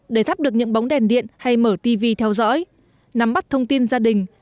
để thắp được những bóng đèn điện hay mở tv theo dõi nắm bắt thông tin gia đình